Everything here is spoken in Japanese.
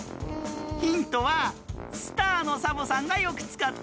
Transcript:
ヒントはスターのサボさんがよくつかってるよ。